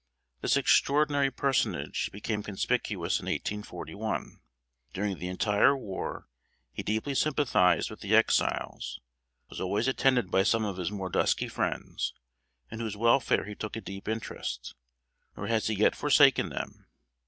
This extraordinary personage became conspicuous in 1841. During the entire war he deeply sympathized with the Exiles was always attended by some of his more dusky friends, in whose welfare he took a deep interest; nor has he yet forsaken them.